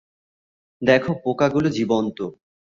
দেখো পোকাগুলো জীবন্ত।